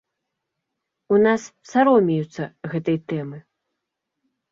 У нас саромеюцца гэтай тэмы.